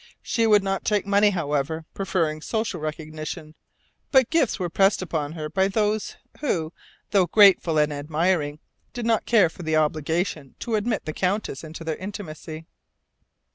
She would not take money, however, preferring social recognition; but gifts were pressed upon her by those who, though grateful and admiring, did not care for the obligation to admit the Countess into their intimacy.